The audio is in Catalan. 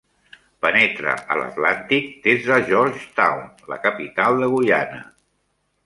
Penetra a l'Atlàntic des de Georgetown, la capital de Guyana.